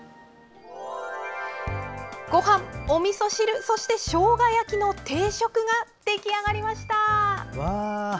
ごはん、おみそ汁そして、しょうが焼きの定食が出来上がりました！